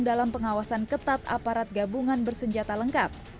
dalam pengawasan ketat aparat gabungan bersenjata lengkap